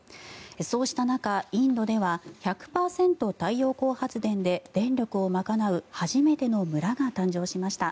そうした中インドでは１００％太陽光発電で電力を賄う初めての村が誕生しました。